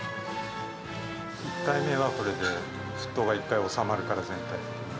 １回目は、これで沸騰が１回、収まるから、全体に。